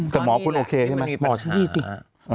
แต่หมอคุณโอเคใช่ไหม